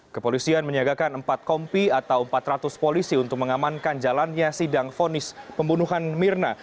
kepolisian menyiagakan empat kompi atau empat ratus polisi untuk mengamankan jalannya sidang fonis pembunuhan mirna